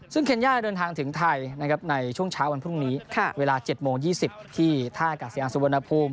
ซึ่งเคนย่าเดินทางถึงไทยในช่วงเช้าวันพรุ่งนี้เวลา๗โมง๒๐ที่ท่ากาศยานสุวรรณภูมิ